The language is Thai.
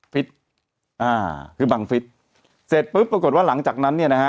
ฟิตอ่าคือบังฟิศเสร็จปุ๊บปรากฏว่าหลังจากนั้นเนี่ยนะฮะ